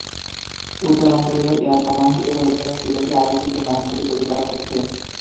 উত্তরাঞ্চলীয় air command এর অধীনে সিলেটে আরেকটি বিমানঘাঁটি তৈরি করা হচ্ছে।